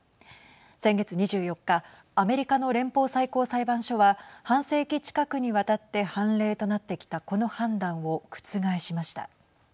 先月２４日アメリカの連邦最高裁判所は半世紀近くにわたって判例となってきたこの判断を覆しました。